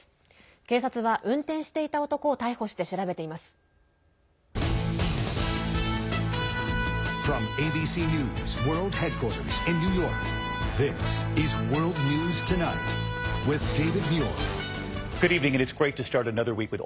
警察は運転していた男を逮捕して、調べています。